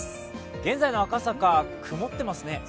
現在の赤坂、曇ってますね。